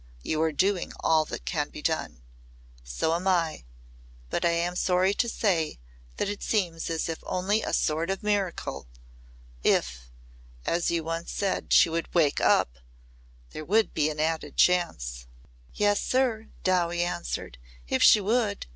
You are doing all that can be done. So am I. But I am sorry to say that it seems as if only a sort of miracle ! If as you said once she would 'wake up' there would be an added chance." "Yes, sir," Dowie answered. "If she would.